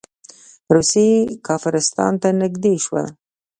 روسیې کافرستان ته نږدې شول.